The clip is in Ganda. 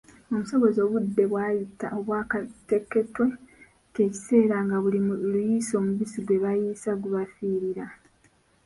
"Omusogozi obudde bw'ayita obwakateketwe kye kiseera nga buli luyiisa, omubisi gwe bayiisa gubafiirira"